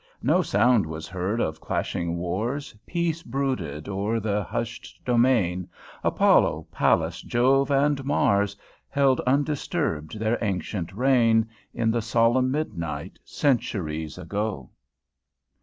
No sound was heard of clashing wars, Peace brooded o'er the hushed domain; Apollo, Pallas, Jove, and Mars Held undisturbed their ancient reign In the solemn midnight, Centuries ago!"